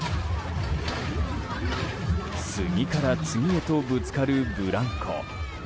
次から次へとぶつかるブランコ。